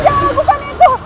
jangan ragukan aku